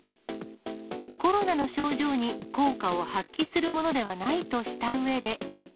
コロナの症状に効果を発揮するものではないとしたうえで。